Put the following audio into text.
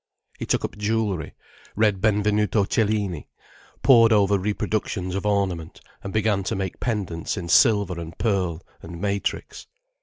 He took up jewellery, read Benvenuto Cellini, pored over reproductions of ornament, and began to make pendants in silver and pearl and matrix.